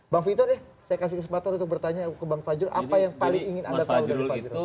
bang fitur saya kasih kesempatan untuk bertanya ke bang fajrul apa yang paling ingin ada di